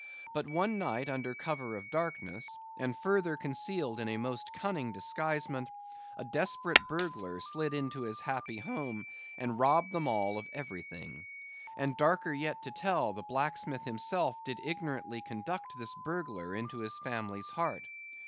But one night, under cover of darkness, and further concealed in a most cunning disguisement, a desperate burglar slid into his happy home, and robbed them all of everything. And darker yet to tell, the blacksmith himself did ignorantly conduct this burglar into his family's heart.